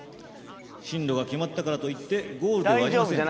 進路が決まったからといってゴールではありません。